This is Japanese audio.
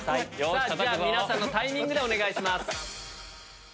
皆さんのタイミングでお願いします。